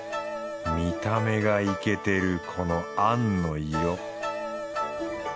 見た目がイケてるこのあんの色。